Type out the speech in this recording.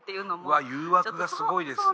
うわっ誘惑がすごいですね。